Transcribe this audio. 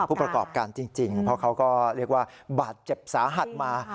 ผู้ประกอบการจริงเพราะเขาก็เรียกว่าบาดเจ็บสาหัสมา